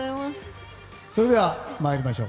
それでは、参りましょう。